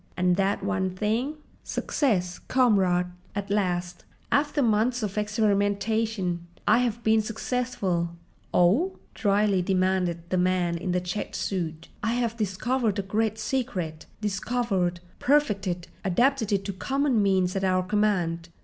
"And that one thing?" "Success, comrades! At last—after months of experimentation—I have been successful!" "'Ow?" dryly demanded the man in the checked suit. "I have discovered a great secret—discovered, perfected, adapted it to common means at our command.